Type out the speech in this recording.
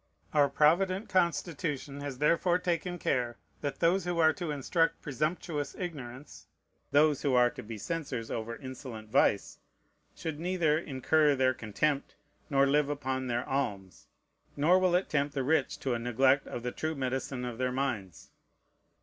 Our provident Constitution has therefore taken care that those who are to instruct presumptuous ignorance, those who are to be censors over insolent vice, should neither incur their contempt nor live upon their alms; nor will it tempt the rich to a neglect of the true medicine of their minds.